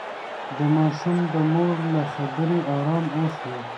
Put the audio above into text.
ماشوم د مور له خبرې ارام اخلي.